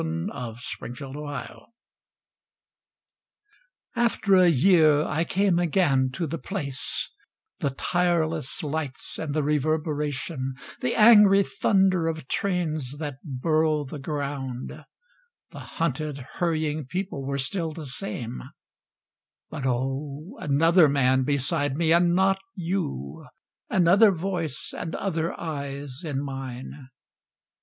IN A SUBWAY STATION AFTER a year I came again to the place; The tireless lights and the reverberation, The angry thunder of trains that burrow the ground, The hunted, hurrying people were still the same But oh, another man beside me and not you! Another voice and other eyes in mine!